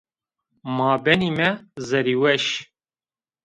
Ma benîme zerrîweş